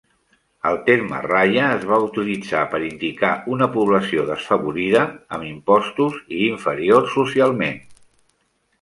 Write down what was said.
El terme rayah es va utilitzar per indicar una població desfavorida, amb impostos i inferior socialment.